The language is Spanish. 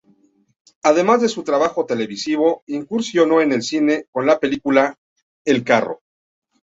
Además de su trabajo televisivo, incursionó en el cine con la película "El carro".